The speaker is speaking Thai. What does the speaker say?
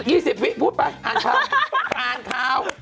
อีก๒๐วิกพูดไปทางข้าว